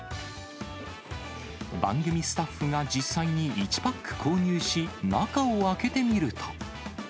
番組スタッフが実際に１パック購入し、中を開けてみると。